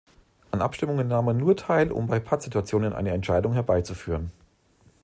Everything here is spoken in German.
An Abstimmungen nahm er nur teil, um bei Pattsituationen eine Entscheidung herbeizuführen.